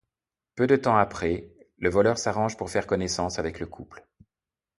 Peu de temps après, le voleur s'arrange pour faire connaissance avec le couple.